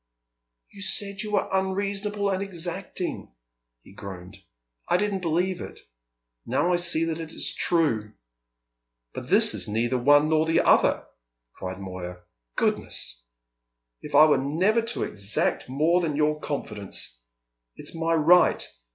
"You said you were unreasonable and exacting," he groaned. "I didn't believe it. Now I see that it is true." "But this is neither one nor the other," cried Moya. "Goodness! If I were never to exact more than your confidence! It's my right.